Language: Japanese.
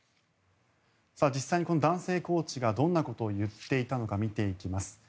実際にこの男性コーチがどんなことを言っていたのか見ていきます。